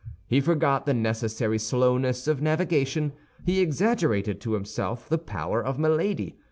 He forgot the necessary slowness of navigation; he exaggerated to himself the power of Milady.